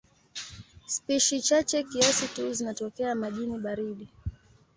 Spishi chache kiasi tu zinatokea majini baridi.